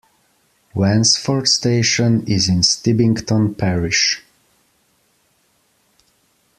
Wansford station is in Stibbington parish.